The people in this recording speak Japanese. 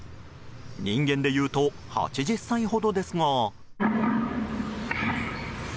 人間でいうと８０歳ほどですが。